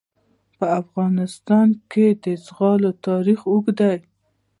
په افغانستان کې د زغال تاریخ اوږد دی.